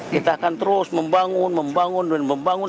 kita akan terus membangun membangun dan membangun